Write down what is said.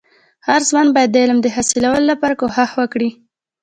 هرځوان باید د علم د حاصلولو لپاره کوښښ وکړي.